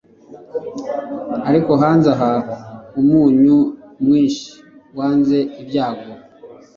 ariko hanze aha umunyu-mwinshi wanze ibyago